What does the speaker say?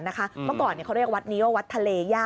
เมื่อก่อนเขาเรียกวัดนี้ว่าวัดทะเลย่า